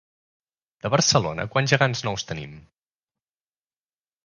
De Barcelona, quants gegants nous tenim?